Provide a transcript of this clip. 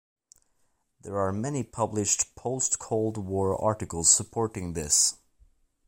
There are many published post-Cold War articles supporting this.